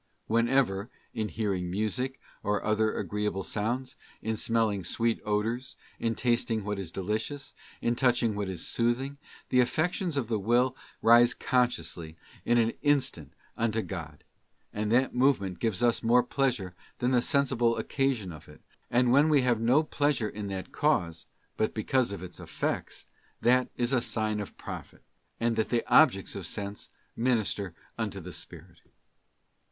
Whenever, in hearing music, or other agreeable sounds, in smelling sweet odours, in tasting what is delicious, in touch ing what is soothing, the affections of the will rise consciously in an instant unto God, and that movement gives us more pleasure than the sensible occasion of it, and when we have no pleasure in that cause, but because of its effects, that is a sign of profit, and that the objects of sense minister unto the spirit.